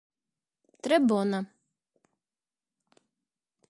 Tre bona.